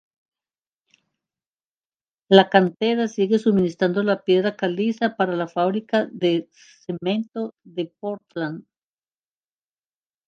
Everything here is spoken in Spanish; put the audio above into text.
La cantera sigue suministrando la piedra caliza para la fábrica de cemento de Portland.